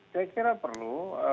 saya kira perlu